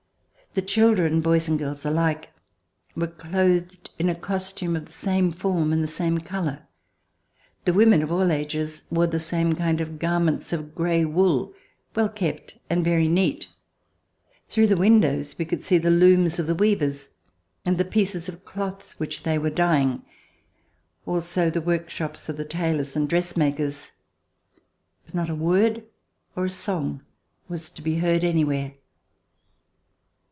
The children, boys and girls alike, were clothed in a costume of the same form and the same color. The women of all ages wore the same kind of garments of gray wool, well kept and very neat. Through the windows we could see C216] COUNTRY LIFE the looms of the weavers, and the pieces of cloth which they were dyeing, also the workshops of the tailors and dress makers. But not a word or a song was to be heard anywhere.